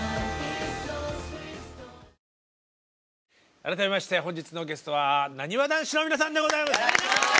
改めまして本日のゲストはなにわ男子の皆さんでございます！